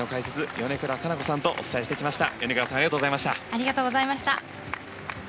米倉加奈子さんとお伝えしてきました。